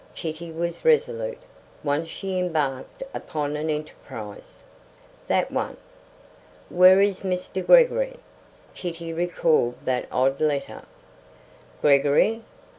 Kitty was resolute; once she embarked upon an enterprise. "That one." "Where is Mr. Gregory?" Kitty recalled that odd letter. "Gregory?